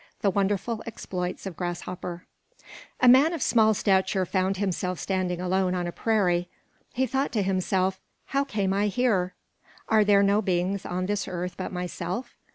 THE WONDERFUL EXPLOITS OF GRASSHOPPER |A MAN of small stature found himself standing alone on a prairie. He thought to himself: "How came I here? Are there no beings on this earth but myself?